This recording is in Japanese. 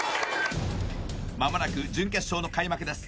まもなく準決勝の開幕です